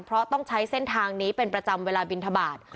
เพราะต้องใช้เส้นทางนี้เป็นประจำเวลาบินทบาท